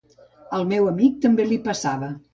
Al meu amic també li passava.